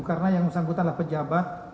karena yang bersangkutan adalah pejabat